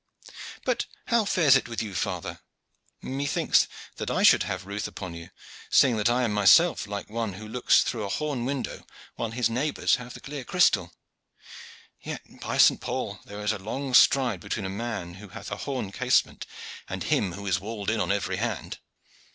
But how fares it with you, father? Methinks that I should have ruth upon you, seeing that I am myself like one who looks through a horn window while his neighbors have the clear crystal. Yet, by St. Paul! there is a long stride between the man who hath a horn casement and him who is walled in on every hand."